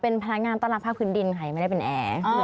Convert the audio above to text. เป็นพนักงานต้อนรับภาคพื้นดินค่ะไม่ได้เป็นแอร์